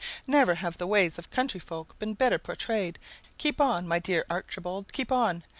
Never have the ways of country folk been better portrayed. Keep on, my dear Archibald, keep on!